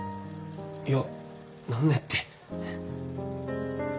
いや何ねって。